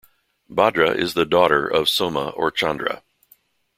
Bhadra is the daughter of Soma or Chandra.